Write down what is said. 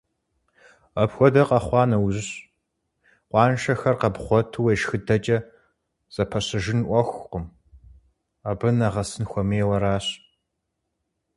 Апхуэдэ къэхъуа нэужь, къуаншэр къэбгъуэту уешхыдэкӀэ зэпэщыжын Ӏуэхукъым, абы нэгъэсын хуэмейуэ аращ.